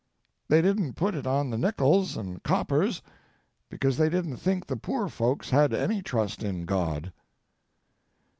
They didn't put it on the nickels and coppers because they didn't think the poor folks had any trust in God.